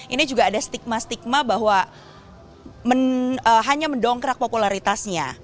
ini juga ada stigma stigma bahwa hanya mendongkrak popularitasnya